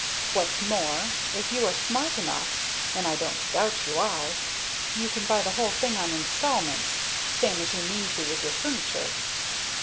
What's more, if you are smart enough and I don't doubt you are, you can buy the whole thing on installments, same as you mean to with your furniture."